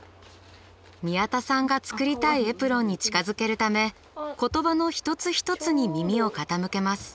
宮田さんが作りたいエプロンに近づけるため言葉の一つ一つに耳を傾けます。